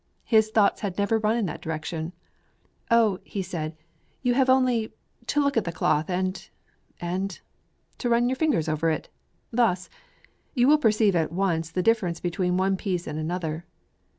His thoughts had never run in that direction. "Oh!" said he, "you have only to look at the cloth, and and to run your fingers over it, thus. You will perceive at once the difference between one piece and another."